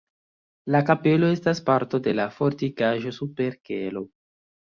La kapelo estas parto de la fortikaĵo super kelo.